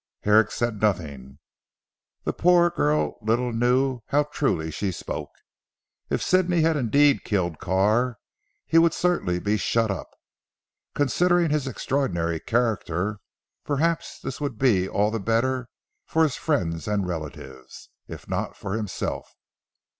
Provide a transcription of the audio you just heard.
Herrick said nothing. The poor girl little knew how truly she spoke. If Sidney had indeed killed Carr, he would certainly be shut up. Considering his extraordinary character, perhaps this would be all the better for his friends and relatives, if not for himself.